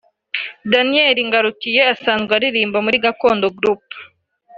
Daniel Ngarukiye usanzwe aririmba muri Gakondo Group